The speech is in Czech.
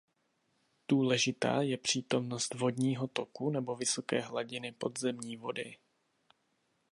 Důležitá je přítomnost vodního toku nebo vysoké hladiny podzemní vody.